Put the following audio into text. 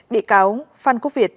bị cáo phan quốc việt